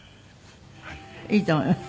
いいと思います。